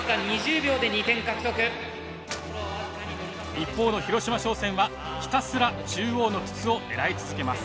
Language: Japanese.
一方の広島商船はひたすら中央の筒を狙い続けます。